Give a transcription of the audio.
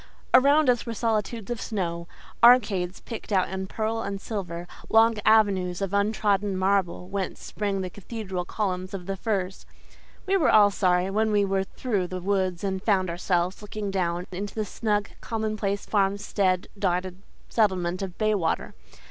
Around us were solitudes of snow, arcades picked out in pearl and silver, long avenues of untrodden marble whence sprang the cathedral columns of the firs. We were all sorry when we were through the woods and found ourselves looking down into the snug, commonplace, farmstead dotted settlement of Baywater.